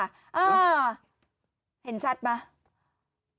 อ่าเห็นชัดไหม